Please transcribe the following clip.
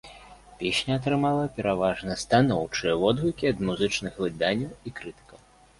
Песня атрымала пераважна станоўчыя водгукі ад музычных выданняў і крытыкаў.